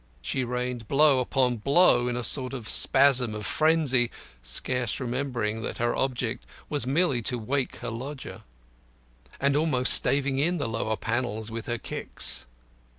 She rained blow upon blow in a sort of spasm of frenzy, scarce remembering that her object was merely to wake her lodger, and almost staving in the lower panels with her kicks.